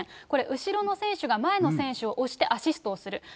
これ、後ろの選手が前の選手を押してアシストをする。